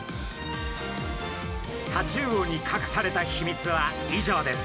タチウオにかくされた秘密は以上です。